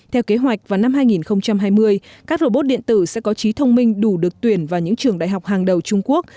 theo kế hoạch vào năm hai nghìn hai mươi các robot điện tử sẽ có trí thông minh đủ được tuyển vào những trường đại học hàng đầu trung quốc